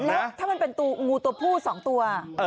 แล้วถ้ามันเป็นงูตัวผู้๒ตัว